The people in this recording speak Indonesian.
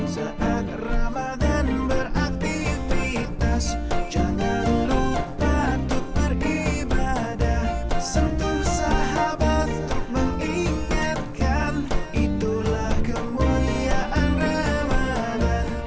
saat ramadhan beraktifitas jangan lupa untuk beribadah sentuh sahabat untuk mengingatkan itulah kemuliaan ramadhan